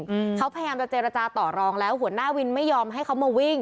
อืมเขาพยายามจะเจรจาต่อรองแล้วหัวหน้าวินไม่ยอมให้เขามาวิ่ง